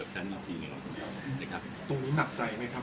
ตรงนี้หนักใจไหมครับ